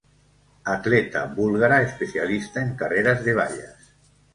Atleta búlgara especialista en carreras de vallas.